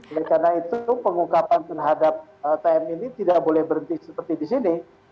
oleh karena itu pengungkapan terhadap tm ini tidak boleh berhenti seperti di sini